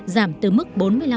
giảm từ mức bốn mươi năm